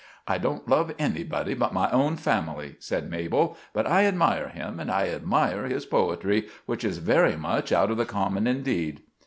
"I don't love anybody but my own family," said Mabel; "but I admire him, and I admire his poetry, which is very much out of the common indeed."